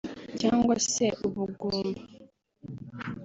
cyangwa se ubugumba